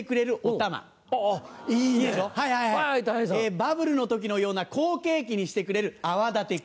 バブルの時のような好景気にしてくれる泡立て器。